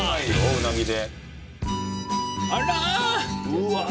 うなぎで。